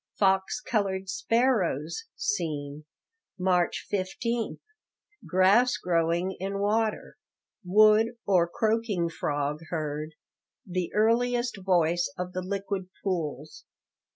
Fox colored sparrows seen. March 15 Grass growing in water. Wood, or croaking frog heard; "the earliest voice of the liquid pools."